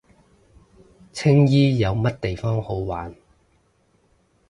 青衣冇乜地方好玩